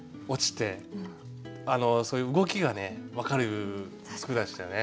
そういう動きがね分かる句でしたね。